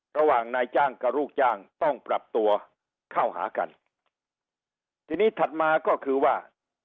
ระหว่างนายจ้างกับลูกจ้างต้องปรับตัวเข้าหากันทีนี้ถัดมาก็คือว่า